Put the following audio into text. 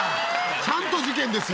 ちゃんと事件ですよ。